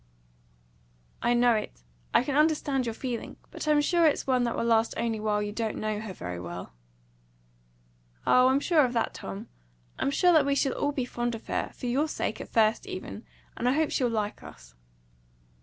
"I know it. I can understand your feeling. But I'm sure that it's one that will last only while you don't know her well." "Oh, I'm sure of that, Tom. I'm sure that we shall all be fond of her, for your sake at first, even and I hope she'll like us."